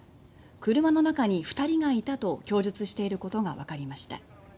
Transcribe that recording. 「車の中に２人がいた」と供述していることがわかりました